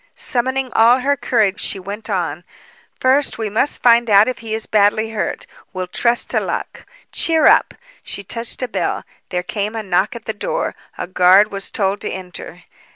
Summoning all her courage, she went on: "First, we must find out if he is badly hurt. We'll trust to luck. Cheer up!" She touched a bell. There came a knock at the door. A guard was told to enter.